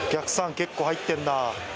結構入ってんな。